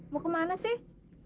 mau kemana sih